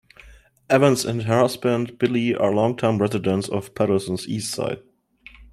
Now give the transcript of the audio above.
Evans and her husband Billie are longtime residents of Paterson's Eastside.